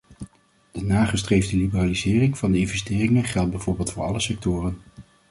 De nagestreefde liberalisering van de investeringen geldt bijvoorbeeld voor alle sectoren.